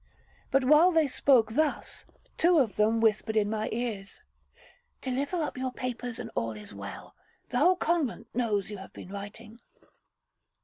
But while they spoke thus, two of them whispered in my ears, 'Deliver up your papers, and all is well. The whole convent knows you have been writing.'